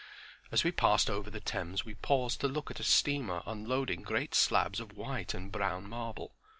As we passed over the Thames we paused to look at a steamer unloading great slabs of white and brown marble.